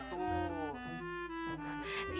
nah itu atuh